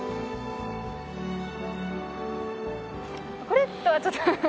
これとはちょっとハハハ。